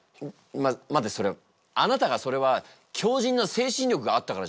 ま待てそれは。あなたがそれは強じんな精神力があったからじゃないか？